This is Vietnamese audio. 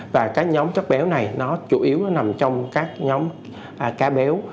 và nhóm chất béo này chủ yếu nằm trong các nhóm cá béo